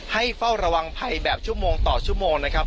เฝ้าระวังภัยแบบชั่วโมงต่อชั่วโมงนะครับ